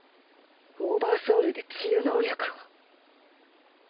オーバーソウルで治癒能力を。